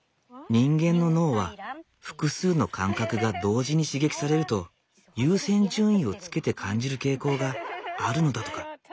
人間の脳は複数の感覚が同時に刺激されると優先順位をつけて感じる傾向があるのだとか。